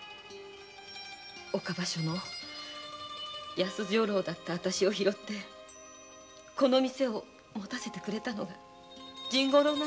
岡場所の安女郎だったわたしを拾ってこの店を持たせてくれたのが甚五郎なんです。